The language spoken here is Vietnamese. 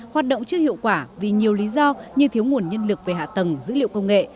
hoạt động chưa hiệu quả vì nhiều lý do như thiếu nguồn nhân lực về hạ tầng dữ liệu công nghệ